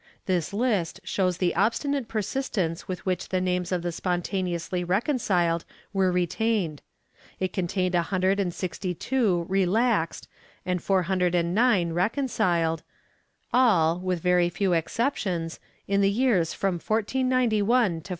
This Ust shows the obstinate persistence with which the names of the spontaneously reconciled were retained. It contained a hun dred and sixty two relaxed and four hundred and nine reconciled, all, with very few exceptions, in the years from 1491 to 1495.